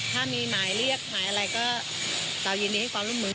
ถ้ามีหมายเรียกหมายอะไรก็เรายินดีให้ความร่วมมือ